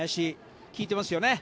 効いてますよね。